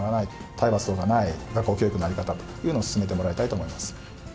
体罰とかのない学校教育の在り方というのを進めてもらいたいと思います。